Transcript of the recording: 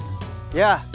buat obat rasanya matahari